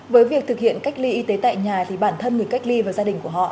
với việc thực hiện cách ly y tế tại nhà thì bản thân người cách ly và gia đình của họ